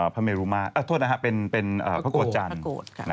พระเมรุมาตรโทษนะครับเป็นพระโกจันทร์